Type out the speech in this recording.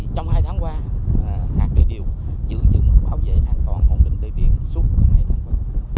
trong hai tháng qua hạt tựa điều giữ dựng bảo vệ an toàn hồn bình đê biển suốt hai tháng trở